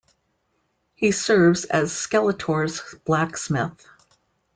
He serves as Skeletor's blacksmith.